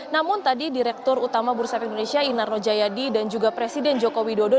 namun tadi direktur utama bursa efek indonesia inarno jayadi dan juga presiden joko widodo